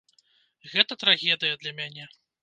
Гэта трагедыя для мяне.